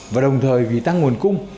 và đồng thời vì tăng nguồn cung